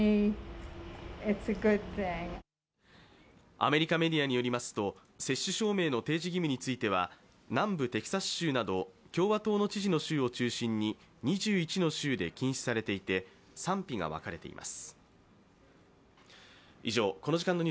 アメリカメディアによりますと、接種証明の提示義務については南部テキサス州など共和党の知事の州を中心に２１の州で禁止されていて賛否が分かれています。